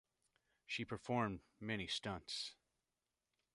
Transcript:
She performed many stunts.